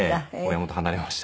親元離れました。